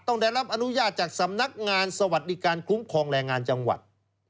ต้องได้รับอนุญาตจากสำนักงานสวัสดิการคุ้มครองแรงงานจังหวัด